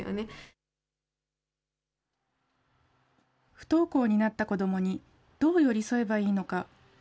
不登校になった子どもに、どう寄り添えばいいのか。